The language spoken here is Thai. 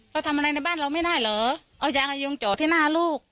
เราทำอะไรในบ้านเราไม่ได้เหรอเอายางอายงเจาะที่หน้าลูก